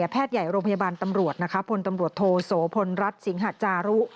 แพทย์ใหญ่โรงพยาบาลตำรวจพลตำรวจโทโสพลรัฐสิงหาจารุ